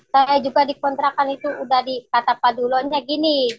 saya juga dikontrakan itu udah dikatakan dulu gini